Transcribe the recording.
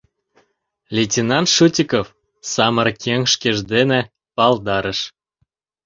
— Лейтенант Шутиков! — самырык еҥ шкеж дене палдарыш.